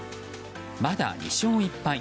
まだ２勝１敗。